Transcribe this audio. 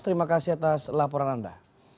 terima kasih atas laporan anda